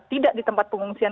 tidak di tempat pengungsian